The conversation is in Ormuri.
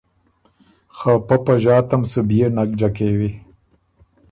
خه پۀ په ݫاته م سُو بيې نک جکوئ۔“